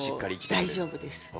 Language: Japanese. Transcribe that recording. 大丈夫です。